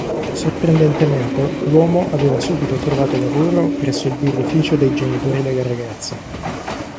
Sorprendentemente l'uomo aveva subito trovato lavoro presso il birrificio dei genitori della ragazza.